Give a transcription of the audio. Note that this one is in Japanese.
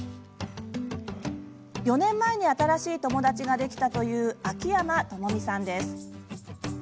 ４年前に新しい友達ができたという秋山知美さんです。